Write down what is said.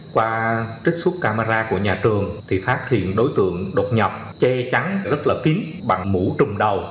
qua trích xuất camera của nhà trường thì phát hiện đối tượng đột nhập che chắn rất là kín bằng mũ trùm đầu